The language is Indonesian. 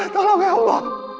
tolong ya allah